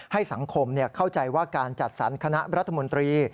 ให้สังคมเข้าใจว่าการจัดสรรคณะรัฐมนตรี